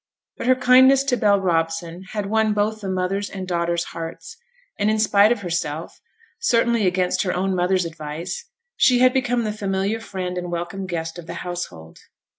But her kindness to Bell Robson had won both the mother's and daughter's hearts; and in spite of herself, certainly against her own mother's advice, she had become the familiar friend and welcome guest of the household.